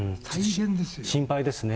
心配ですね。